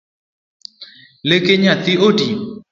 Leke nyathi oti?